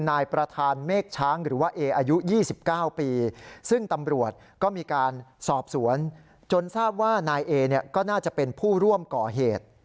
นายประธานเมฆช้างหรือว่าเออายุ๒๙ปีซึ่งตำรวจก็มีการสอบสวนจนทราบว่านายเอเนี่ยก็น่าจะเป็นผู้ร่วมก่อเหตุ